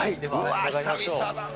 久々だな。